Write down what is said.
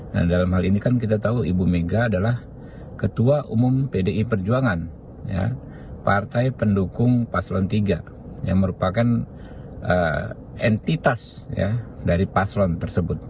nah dalam hal ini kan kita tahu ibu mega adalah ketua umum pdi perjuangan partai pendukung paslon tiga yang merupakan entitas dari paslon tersebut